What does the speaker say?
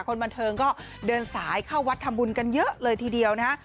คนบันเทิงก็เดินสายเข้าวัดทำบุญกันเยอะเลยทีเดียวนะฮะ